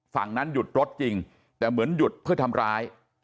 ฝั่งนั้นหยุดรถจริงแต่เหมือนหยุดเพื่อทำร้าย